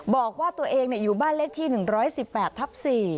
บอกว่าตัวเองอยู่บ้านเลขที่๑๑๘ทับ๔